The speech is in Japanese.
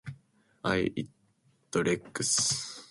I eat eggs.